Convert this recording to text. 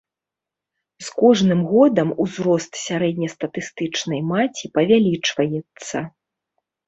З кожным годам узрост сярэднестатыстычнай маці павялічваецца.